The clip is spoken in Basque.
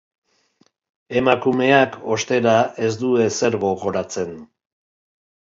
Emakumeak, ostera, ez du ezer gogoratzen.